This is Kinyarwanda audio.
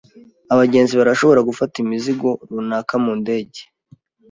Abagenzi barashobora gufata imizigo runaka mu ndege.